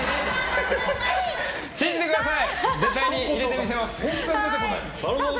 信じてください！